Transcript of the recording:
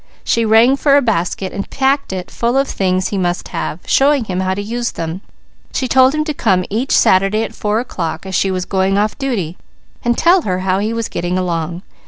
She rang for a basket and packed it full of things he must have, showing him how to use them. She told him to come each Saturday at four o'clock, as she was going off duty, and tell her how he was getting along.